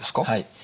はい。